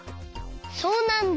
そうなんだ。